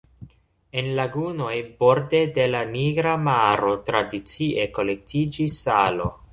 En lagunoj borde de la Nigra Maro tradicie kolektiĝis salo.